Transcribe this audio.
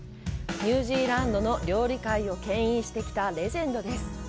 ニュージーランドの料理界を牽引してきたレジェンドです。